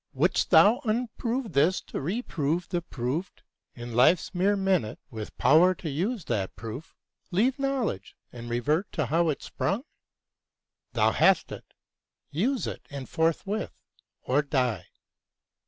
Wouldst thou unprove this to re prove the prov'd ? In life's mere minute, with power to use that proof, Leave knowledge and revert to how it sprung ? Thou hast it ; use it and forthwith or die.